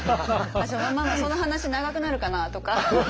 「ママその話長くなるかな？」とか。